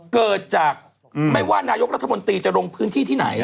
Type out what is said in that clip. เกิดจากไม่ว่านายกรัฐมนตรีจะลงพื้นที่ที่ไหน